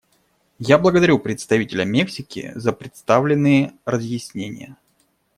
Я благодарю представителя Мексики за представленные разъяснения.